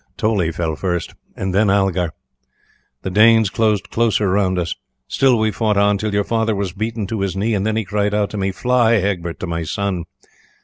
Toley fell first and then Algar. The Danes closed closer around us. Still we fought on, till your father was beaten to his knee, and then he cried to me, 'Fly, Egbert, to my son.'